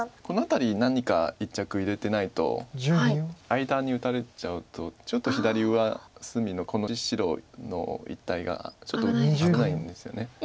この辺り何か一着入れてないと間に打たれちゃうとちょっと左上隅のこの白の一帯がちょっと危ないんですよね。